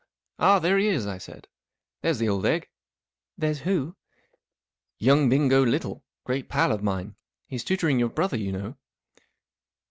" Ah, there he is," I said. " There's the old egg*" " There's who ?"" Young Bingo Little. Great pal of mine. He's tutoring yUBr brother, you know."